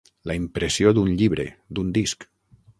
La impressió d'un llibre, d'un disc.